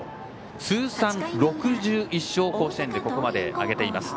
通算６１勝を甲子園でここまでで挙げています。